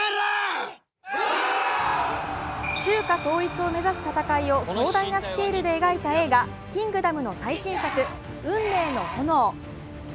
中華統一を目指す戦いを壮大なスケールで描いた映画「キングダム」の最新作、「運命の炎」。